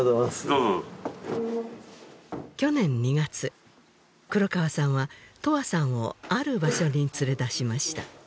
どうぞどうぞ去年２月黒川さんは永遠さんをある場所に連れ出しました